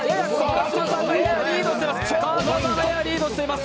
川島さんが一歩リードしています。